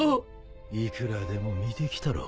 いくらでも見てきたろ。